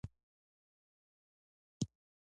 په خندا شو او سکاره یې وپوښتل.